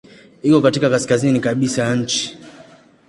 Iko katika kaskazini kabisa ya nchi.